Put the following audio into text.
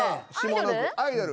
「アイドル」。